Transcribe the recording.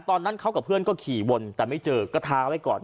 ตอนนั้นเขากับเพื่อนก็ขี่วนแต่ไม่เจอก็ท้าไว้ก่อน